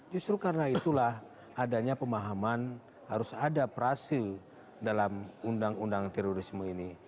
justru karena itulah adanya pemahaman harus ada prase dalam undang undang terorisme ini